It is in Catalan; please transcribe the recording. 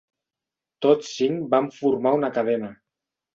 Tots cinc van formar una cadena.